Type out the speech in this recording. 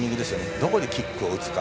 どこでキックを打つか。